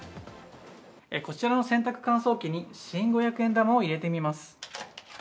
こちらの洗濯乾燥機に新五百円玉を入れてみます。